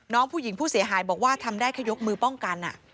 น้องผู้หญิงผู้เสียหายบอกว่าทำได้แค่ยกมือป้องกัน